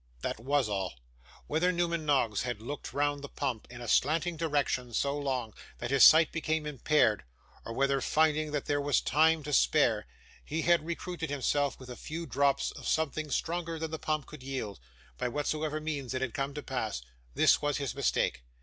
That WAS all. Whether Newman Noggs had looked round the pump, in a slanting direction, so long, that his sight became impaired; or whether, finding that there was time to spare, he had recruited himself with a few drops of something stronger than the pump could yield by whatsoever means it had come to pass, this was his mistake.